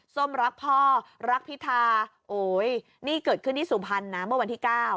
ส้มรักพ่อรักพิธาโอ้ยนี่เกิดขึ้นที่สุพรรณนะเมื่อวันที่๙